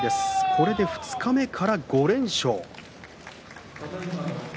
これで二日目から５連勝。